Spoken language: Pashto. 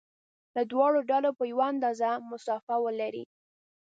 له دواړو ډلو په یوه اندازه مسافه ولري.